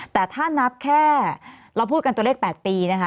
แต่ถ้านับแค่เราพูดกันตัวเลข๘ปีนะคะ